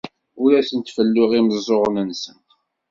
Ur asent-felluɣ imeẓẓuɣen-nsent.